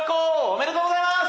おめでとうございます！